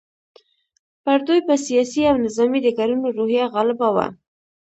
پر دوی په سیاسي او نظامي ډګرونو روحیه غالبه وه.